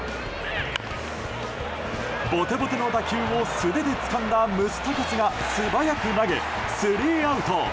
ポテポテの打球を素手でつかんだムスタカスが素早く投げ、スリーアウト。